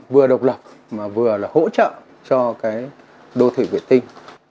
vừa độc lập mà vừa là hỗ trợ cho cái đô thị vệ tinh